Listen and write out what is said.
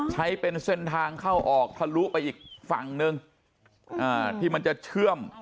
ใช้เป็นเส้นทางเข้าออกทะลุไปอีกฝั่งนึงที่มันจะเชื่อม